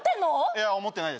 いや思ってないです